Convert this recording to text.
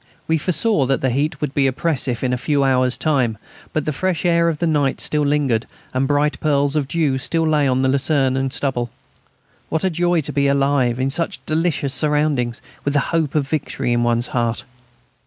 We foresaw that the heat would be oppressive in a few hours' time, but the fresh air of the night still lingered, and bright pearls of dew still lay on the lucerne and stubble. What a joy to be alive in such delicious surroundings, with the hope of victory in one's heart!